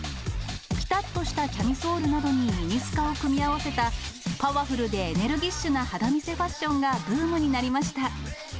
ぴたっとしたキャミソールなどにミニスカを組み合わせたパワフルでエネルギッシュな肌見せファッションがブームになりました。